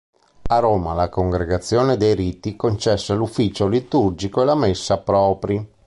A Roma, la Congregazione dei Riti concesse l'Ufficio liturgico e la Messa propri.